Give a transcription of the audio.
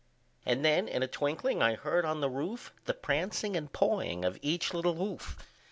And then in a twinkling I heard on the roof, The prancing and pawing of each little hoof.